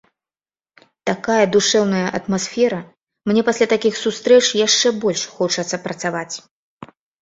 Такая душэўная атмасфера, мне пасля такіх сустрэч яшчэ больш хочацца працаваць.